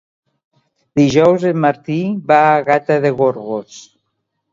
Dijous en Martí va a Gata de Gorgos.